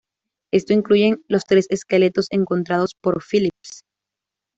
Estos incluyen los tres esqueletos encontrados por Phillips.